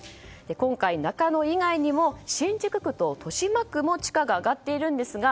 今回、中野以外にも新宿区と豊島区も地価が上がっているんですが